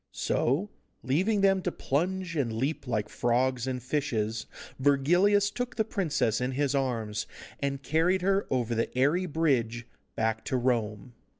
So, leaving them to plunge and leap like frogs and fishes, Virgilius took the princess in his arms, and carried her over the airy bridge back to Rome.